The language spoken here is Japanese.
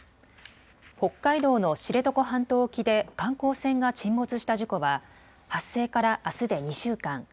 北海道の知床半島沖で観光船が沈没した事故は発生からあすで２週間。